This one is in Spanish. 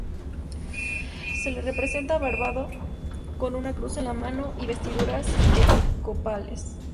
Se le representa barbado, con una cruz en la mano y vestiduras episcopales.